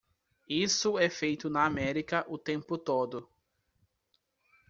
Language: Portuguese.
Isso é feito na América o tempo todo.